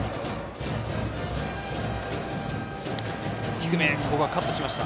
低め、カットしました。